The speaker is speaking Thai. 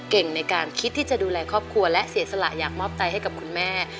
ในการคิดที่จะดูแลครอบครัวและเสียสละอยากมอบใจให้กับคุณแม่